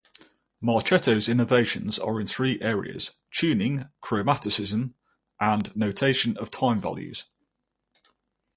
Marchetto's innovations are in three areas: tuning, chromaticism, and notation of time-values.